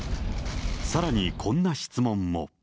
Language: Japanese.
さらにこんな質問も。